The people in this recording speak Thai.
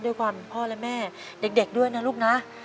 ด้วยความพ่อและแม่เด็กด้วยนะลูกนะ